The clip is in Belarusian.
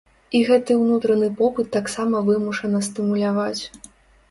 І гэты ўнутраны попыт таксама вымушана стымуляваць.